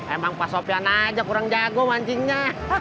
emang pak sofian aja kurang jago mancingnya